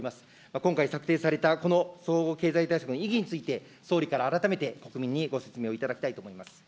今回策定されたこの総合経済対策の意義について、総理から改めて国民にご説明をいただきたいと思います。